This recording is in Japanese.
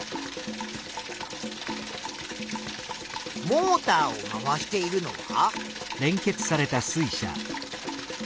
モーターを回しているのは？